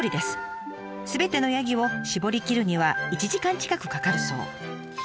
すべてのヤギを搾りきるには１時間近くかかるそう。